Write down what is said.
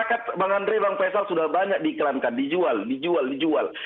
sawit yang bang andres bang faisal sudah banyak diiklankan dijual dijual dijual